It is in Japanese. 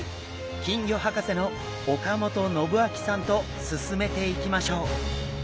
金魚博士の岡本信明さんと進めていきましょう。